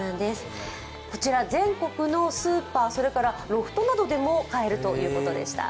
こちら全国のスーパーそれからロフトなどでも買えるということでした。